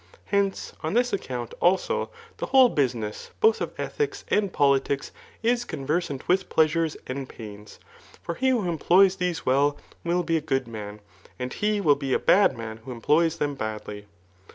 Hence, on this account, also, the whole busi ness . both of ethics and polidcs is conversant with ptea* sures and pains. Far he who employs these well will be a good man, but lie will be a bad man who eaiploys diem badly.